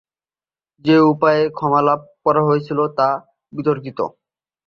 যে-উপায়ে ক্ষমা লাভ করা হয়েছিল, তা বিতর্কিত।